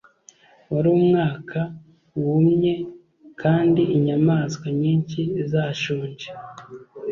Wari umwaka wumye, kandi inyamaswa nyinshi zashonje.